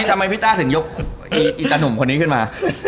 ทำไมพี่ต้าถึงยกอีตาหนุ่มคนนี้ขึ้นมา